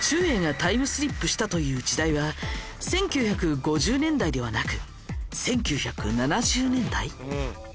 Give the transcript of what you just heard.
えいがタイムスリップしたという時代は１９５０年代ではなく１９７０年代？